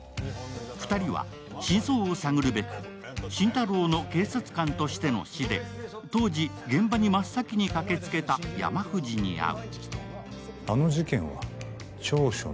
２人は真相を探るべく、心太朗の警察官としての師で当時、現場に真っ先に駆けつけた山藤に会う。